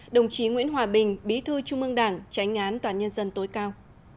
đồng chí nguyễn hòa bình bí thư trung mương đảng tránh án tòa án nhân dân tối cao